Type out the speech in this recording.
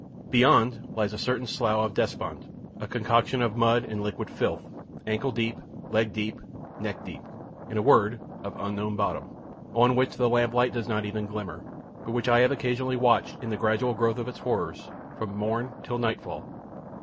Beyond, lies a certain Slough of Despond, a concoction of mud and liquid filth, ankle deep, leg deep, neck deep, in a word, of unknown bottom, on which the lamplight does not even glimmer, but which I have occasionally watched, in the gradual growth of its horrors, from morn till nightfall.